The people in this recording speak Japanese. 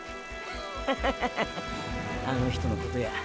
ッハハハハあの人のことや。